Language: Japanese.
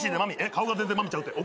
顔が全然真美ちゃうって？